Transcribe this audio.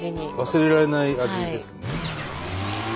忘れられない味ですね。